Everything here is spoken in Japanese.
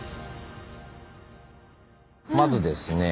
まずですね